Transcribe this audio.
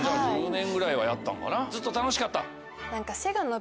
１０年ぐらいはやったんかなずっと楽しかった？